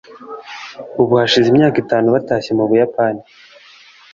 ubu hashize imyaka itanu batashye mu buyapani